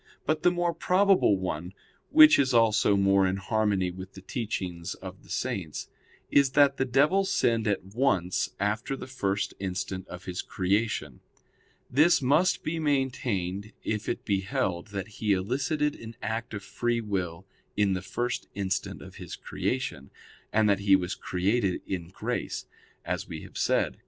But the more probable one, which is also more in harmony with the teachings of the Saints, is that the devil sinned at once after the first instant of his creation. This must be maintained if it be held that he elicited an act of free will in the first instant of his creation, and that he was created in grace; as we have said (Q.